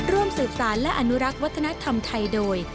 ร่วมสืบสารและอนุรักษ์วัฒนธรรมไทยโดย